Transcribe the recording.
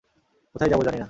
কোথায় যাবো, জানি না।